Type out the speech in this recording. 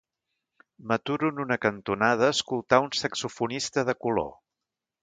M'aturo en una cantonada a escoltar un saxofonista de color.